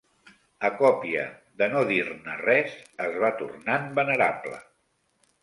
A copia de no dir-ne res, es va tornant venerable